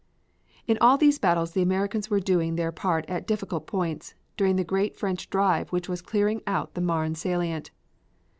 In all these battles the Americans were doing their part at difficult points, during the great French drive which was clearing out the Marne salient.